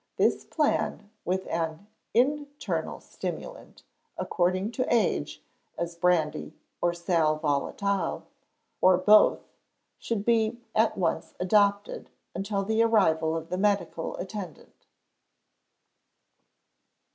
This plan with an internal stimulant, according to age, as brandy, or salvolatile, or both, should be at once adopted, until the arrival of the medical attendant.